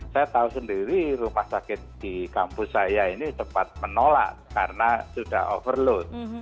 saya tahu sendiri rumah sakit di kampus saya ini cepat menolak karena sudah overload